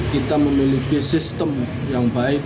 kita memiliki sistem yang baik